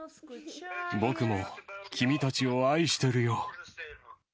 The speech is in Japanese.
僕も、君たちを愛してるよ。